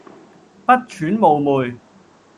不揣冒昧